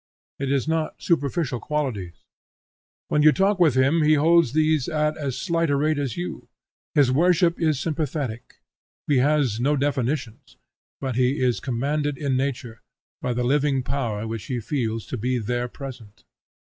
It is not superficial qualities. When you talk with him he holds these at as slight a rate as you. His worship is sympathetic; he has no definitions, but he is commanded in nature, by the living power which he feels to be there present.